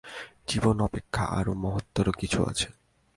জীবন অপেক্ষা আরও মহত্তর কিছু আছে।